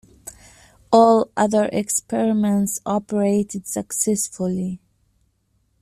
All other experiments operated successfully.